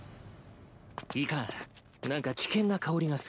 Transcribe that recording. いかん何か危険なかおりがする。